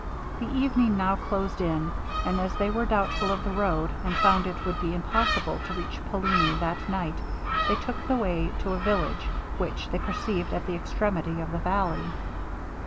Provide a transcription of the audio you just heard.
The evening now closed in; and as they were doubtful of the road, and found it would be impossible to reach Palini that night, they took the way to a village, which they perceived at the extremity of the valley.